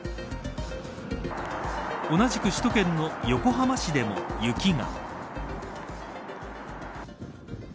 同じく首都圏の横浜市でも雪が。